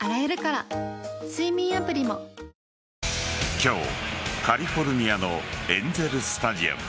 今日、カリフォルニアのエンゼルスタジアム。